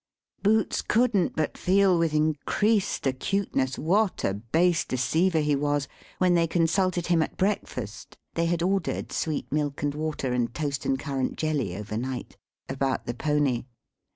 Boots couldn't but feel with increased acuteness what a base deceiver he was, when they consulted him at breakfast (they had ordered sweet milk and water, and toast and currant jelly, overnight) about the pony.